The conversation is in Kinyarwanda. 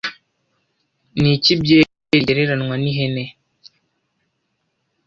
Niki byeri igereranwa n'ihene